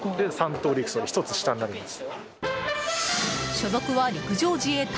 所属は陸上自衛隊。